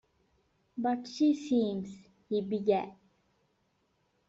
“But she seems —” he began.